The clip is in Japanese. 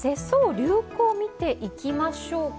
・流行見ていきましょうか。